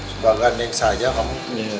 supaga neng saja kamu